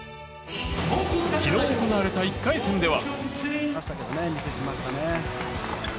昨日行われた１回戦では。